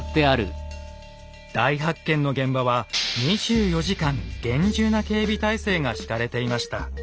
大発見の現場は２４時間厳重な警備態勢が敷かれていました。